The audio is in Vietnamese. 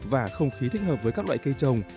và không khí thích hợp với các loại cây trồng